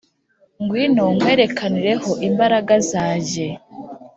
ngwino nkwerekanireho imbaraga zajye